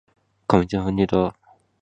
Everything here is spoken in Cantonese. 埃及金字塔同獅身人面像